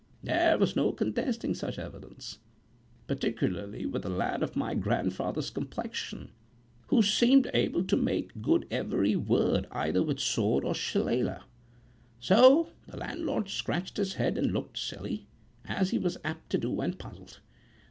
There was no contesting such evidence; particularly with a lad of my grandfather's complexion, who seemed able to make good every word either with sword or shillelah. So the landlord scratched his head and looked silly, as he was apt to do when puzzled.